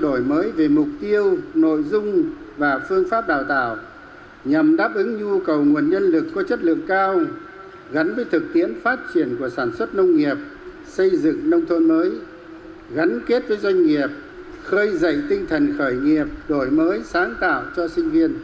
đổi mới về mục tiêu nội dung và phương pháp đào tạo nhằm đáp ứng nhu cầu nguồn nhân lực có chất lượng cao gắn với thực tiễn phát triển của sản xuất nông nghiệp xây dựng nông thôn mới gắn kết với doanh nghiệp khơi dậy tinh thần khởi nghiệp đổi mới sáng tạo cho sinh viên